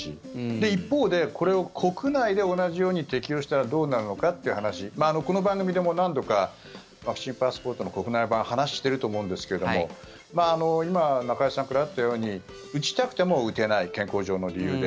一方でこれを国内で同じように適用したらどうなるのかという話この番組でも何度かワクチンパスポートの国内版を話していると思うんですけども今、中居さんからあったように打ちたくても打てない健康上の理由で。